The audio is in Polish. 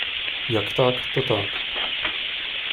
Jak tak, to tak.